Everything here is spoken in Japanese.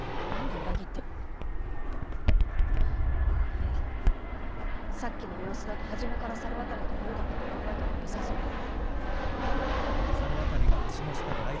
いやさっきの様子だと初めから猿渡とグルだったと考えた方がよさそうね。